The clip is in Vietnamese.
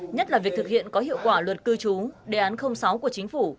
nhất là việc thực hiện có hiệu quả luật cư trú đề án sáu của chính phủ